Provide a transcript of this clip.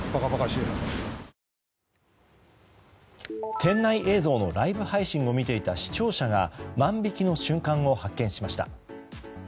店内映像のライブ配信を見ていた視聴者が万引きの瞬間を発見しました。